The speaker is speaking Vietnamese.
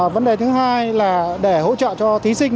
vấn đề thứ hai là để hỗ trợ cho thí sinh